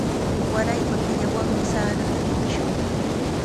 Waraypa killawanmi sarata tipishun.